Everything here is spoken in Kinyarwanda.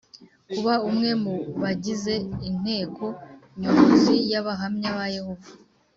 kuba umwe mu bagize Inteko Nyobozi y Abahamya ba Yehova